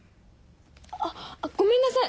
あっごめんなさい。